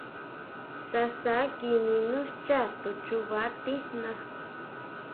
Sasa kini nú xchá, to chuba tijna.